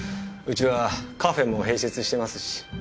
うちはカフェも併設してますし。